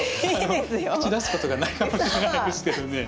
口出すことがないかもしれないですけどね。